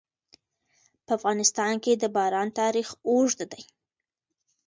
په افغانستان کې د باران تاریخ اوږد دی.